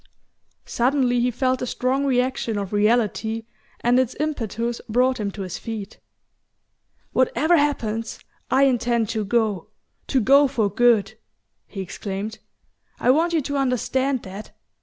Suddenly he felt the strong reaction of reality and its impetus brought him to his feet. "Whatever happens, I intend to go to go for good," he exclaimed. "I want you to understand that.